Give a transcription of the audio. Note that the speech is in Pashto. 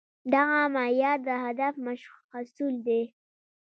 دغه معيار د هدف مشخصول دي.